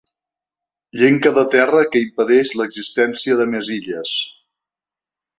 Llenca de terra que impedeix l'existència de més illes.